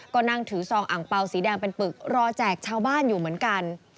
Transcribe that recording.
ก็นั่งถือซองอังเปล่าสีแดงเป็นปึกรอแจกชาวบ้านอยู่เหมือนกัน